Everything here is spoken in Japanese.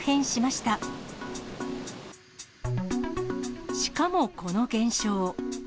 しかもこの現象。